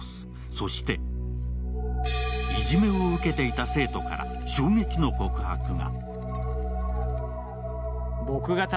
そしていじめを受けていた生徒から衝撃の告白が。